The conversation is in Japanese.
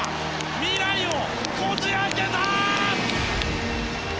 未来をこじ開けた！